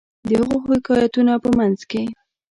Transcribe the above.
د هغو حکایتونو په منځ کې.